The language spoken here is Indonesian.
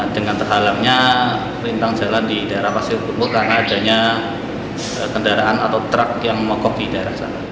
dengan terhalangnya rintang jalan di daerah pasir kumpul karena adanya kendaraan atau truk yang mogok di daerah sana